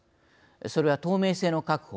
それは透明性の確保